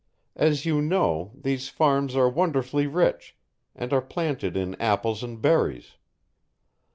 As you know, these farms are wonderfully rich, and are planted in apples and berries.